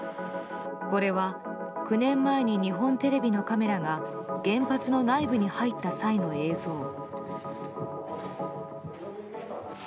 これは、９年前に日本テレビのカメラが原発の内部に入った際の映像。